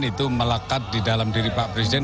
itu melekat di dalam diri pak presiden